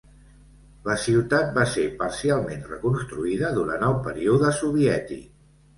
La ciutat va ser parcialment reconstruïda durant el període soviètic.